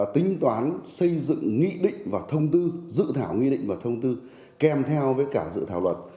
tính toán xây dựng nghị định và thông tư dự thảo nghị định và thông tư kèm theo với cả dự thảo luật